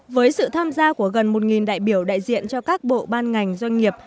với sự tham gia của gần một đại biểu đại diện cho các bộ ban ngành doanh nghiệp